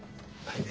はい。